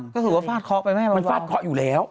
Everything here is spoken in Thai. ก็ถือว่าฟาดเคาะไปแม่มันฟาดเคาะอยู่แล้ว